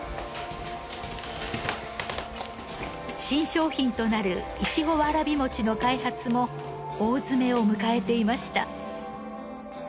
新商品となるイチゴわらび餅の開発も大詰めを迎えていました。